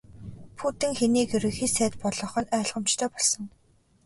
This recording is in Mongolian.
Путин хэнийг Ерөнхий сайд болгох нь ойлгомжтой болсон.